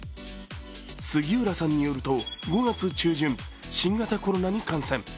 杉浦さんによると５月中旬、新型コロナに感染。